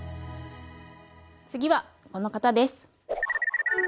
次はこの方です！